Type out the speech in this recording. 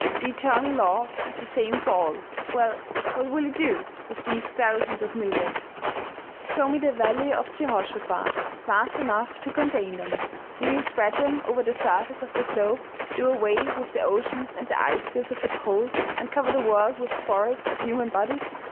The eternal law is the same for all. Well ! What will you do with these thousands of milliards ? Show me the valley of Jehosha phat vast enough to contain them. Will you spread them over the surface of the globe, do away with the oceans and the icefields of the poles, and cover the world with a forest of human bodies